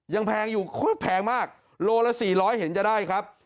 แพงอยู่แพงมากโลละ๔๐๐เห็นจะได้ครับ